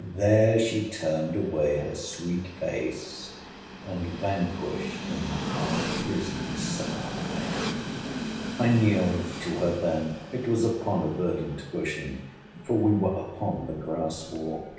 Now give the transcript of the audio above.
There she turned away her sweet face, and vanquished an half risen sigh. I kneeled to her then. It was upon a verdant cushion; for we were upon the grass walk.